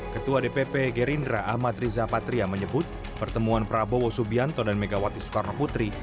ketua dpp gerindra ahmad riza patria menyebut pertemuan prabowo subianto dan megawati soekarno putri